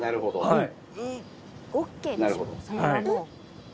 はい。